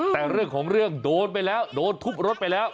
แต่เรื่องของเรื่องโดนไปแล้วโดนทุบรถไปแล้ว